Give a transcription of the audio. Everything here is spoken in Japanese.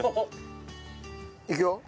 いくよ？